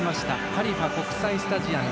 ハリファ国際スタジアム。